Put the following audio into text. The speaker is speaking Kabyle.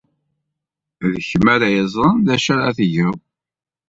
D kemm ara yeẓren d acu ara tged.